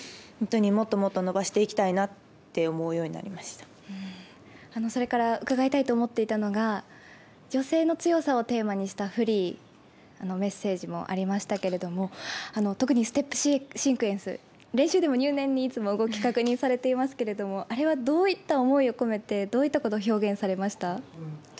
本当に、もっともっと伸ばしていきたいなってそれから伺いたいと思っていたのが女性の強さをテーマにしたフリーメッセージもありましたけれども特にステップシークエンス練習でも入念にいつも動き確認されていますけれどもあれはどういった思いを込めてどういったことを表現されました？